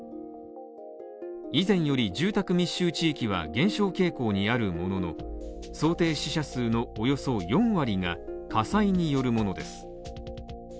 以前より住宅密集地域は減少傾向にあるものの、想定死者数のおよそ４割が火災によるものです。